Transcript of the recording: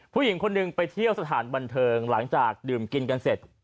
ผู้หญิงคนหนึ่งไปเที่ยวสถานบันเทิงหลังจากดื่มกินกันเสร็จ